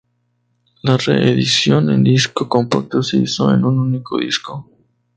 La reedición en disco compacto se hizo en un único disco.